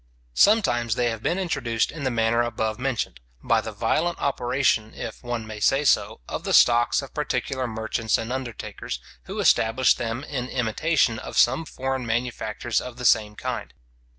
Sometimes they have been introduced in the manner above mentioned, by the violent operation, if one may say so, of the stocks of particular merchants and undertakers, who established them in imitation of some foreign manufactures of the same kind.